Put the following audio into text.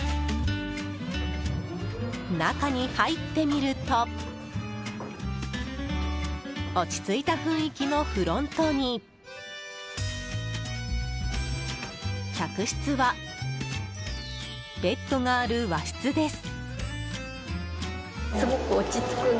中に入ってみると落ち着いた雰囲気のフロントに客室は、ベッドがある和室です。